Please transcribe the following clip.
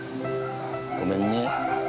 ごめんね。